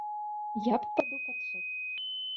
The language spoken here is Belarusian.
Я пападу пад суд.